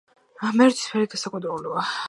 მერვე ციფრი საკონტროლოა.